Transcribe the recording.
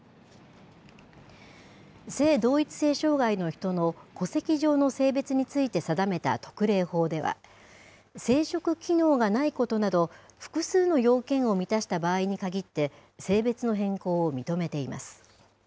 性同一性障害の人の戸籍上の性別について定めた特例法では、生殖機能がないことなど複数の要件を満たした場合に限って性別の変更を認めています。